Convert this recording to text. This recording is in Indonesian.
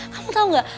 kamu tau gak